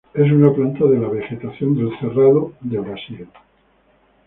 Es una planta de la vegetación del Cerrado de Brasil.